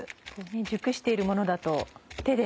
熟しているものだと手で。